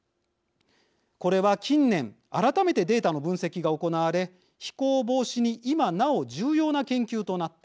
これは近年改めてデータの分析が行われ非行防止に今なお重要な研究となっています。